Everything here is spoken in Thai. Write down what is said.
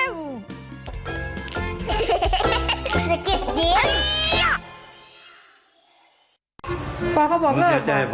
มันมิดไม้หินออกแล้วเขาก็เดินไปบอกว่าเราเหลือ